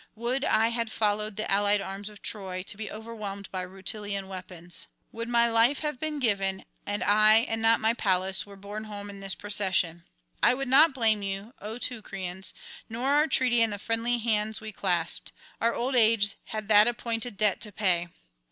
Would I had followed the allied arms of Troy, to be overwhelmed by Rutulian weapons! Would my life had been given, and I and not my Pallas were borne home in this [164 198]procession! I would not blame you, O Teucrians, nor our treaty and the friendly hands we clasped: our old age had that appointed debt to pay.